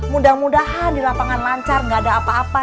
mudah mudahan di lapangan lancar nggak ada apa apa